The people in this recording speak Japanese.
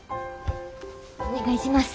お願いします。